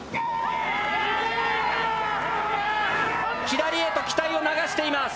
左へと機体を流しています。